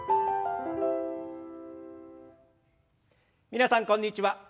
皆さんこんにちは。